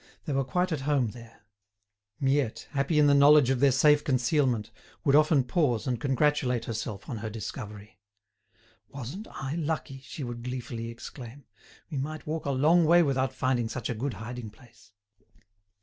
They were quite at home there. Miette, happy in the knowledge of their safe concealment, would often pause and congratulate herself on her discovery. "Wasn't I lucky!" she would gleefully exclaim. "We might walk a long way without finding such a good hiding place."